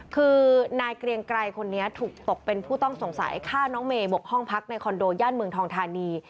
คือนายเกรียงไกรคนนี้ถูกตกเป็นผู้ต้องสงสัยฆ่าน้องเมย์บกห้องพักในคอนโดย่านเมืองทองทานี